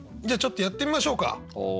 じゃあちょっとやってみましょうか。